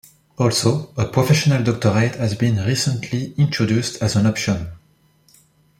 Also, a professional doctorate has been recently introduced as an option.